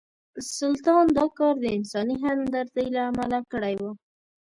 سلطان دا کار د انساني همدردۍ له امله کړی و.